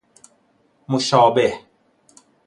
مشابه